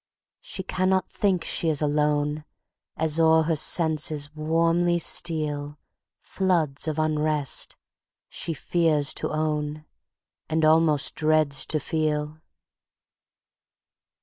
She cannot think she is alone, As o'er her senses warmly stealFloods of unrest she fears to own, And almost dreads to feel.